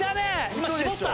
今絞った？